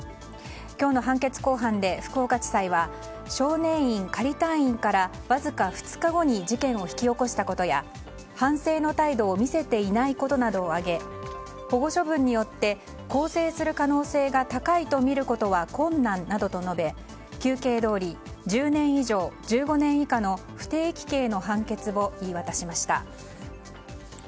今日の判決公判で、福岡地裁は少年院仮退院からわずか２日後に事件を引き起こしたことで反省の態度を見せていないことなどを挙げ保護処分によって更生する可能性が高いとみることは困難などと述べ、求刑どおり１０年以上１５年以下の不定期刑の判決を言い渡しました。